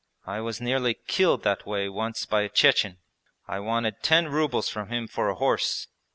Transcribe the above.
I was nearly killed that way once by a Chechen. I wanted ten rubles from him for a horse.